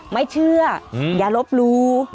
ไม่เชื่ออย่าลบรู้